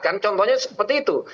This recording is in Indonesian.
kan contohnya seperti itu